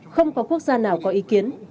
không có quốc gia nào có ý kiến